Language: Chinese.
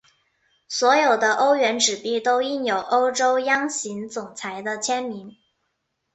所有的欧元纸币都印有欧洲央行总裁的签名。